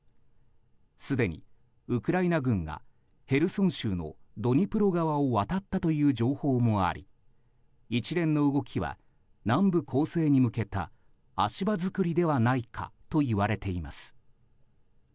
すでにウクライナ軍がヘルソン州のドニプロ川を渡ったという情報もあり一連の動きは、南部攻勢に向けた足場づくりではないかといわれています。